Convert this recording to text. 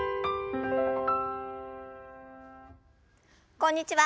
こんにちは